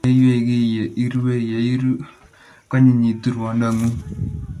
Meiywei kiy ye irue; ye iru, koanyinyitu rwondang'ung'.